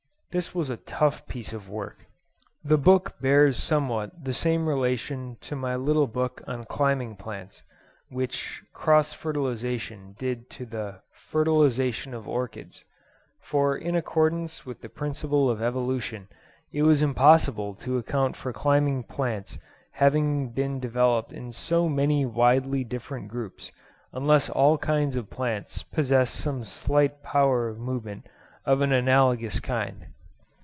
This was a tough piece of work. The book bears somewhat the same relation to my little book on 'Climbing Plants,' which 'Cross Fertilisation' did to the 'Fertilisation of Orchids;' for in accordance with the principle of evolution it was impossible to account for climbing plants having been developed in so many widely different groups unless all kinds of plants possess some slight power of movement of an analogous kind.